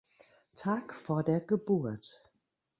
Tag vor der Geburt.